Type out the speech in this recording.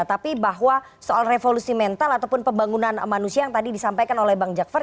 tapi bahwa soal revolusi mental ataupun pembangunan manusia yang tadi disampaikan oleh bang jakfar